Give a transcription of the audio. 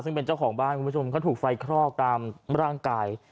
ซึ่งเป็นเจ้าของบ้านคุณผู้ชมเขาถูกไฟคลอกตามร่างกาย